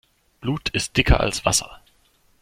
Blut ist dicker als Wasser.